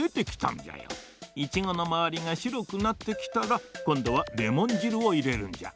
イチゴのまわりがしろくなってきたらこんどはレモンじるをいれるんじゃ。